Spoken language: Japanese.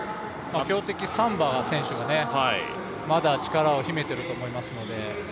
強敵・サンバ選手がまだ力を秘めていると思いますので。